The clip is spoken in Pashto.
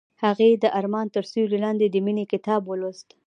هغې د آرمان تر سیوري لاندې د مینې کتاب ولوست.